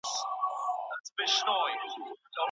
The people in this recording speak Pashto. که دغو او نورو طريقو نتيجه نه ورکوله.